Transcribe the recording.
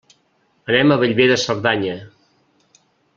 Anem a Bellver de Cerdanya.